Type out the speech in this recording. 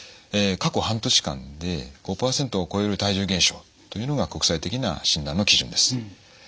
過去半年間で５％を超える体重減少というのが国際的な診断の基準です。